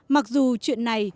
mặc dù chuyện này